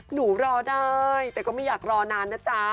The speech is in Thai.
รอได้แต่ก็ไม่อยากรอนานนะจ๊ะ